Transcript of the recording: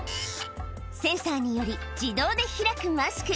センサーにより、自動で開くマスク。